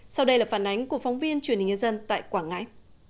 sau đây là phản ánh của phóng viên truyền hình nhân dân tại quảng ngãi